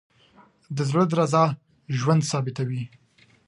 د زړه درزا ژوند ثابتوي.